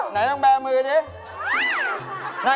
ไหนต้องแบร์มือดิ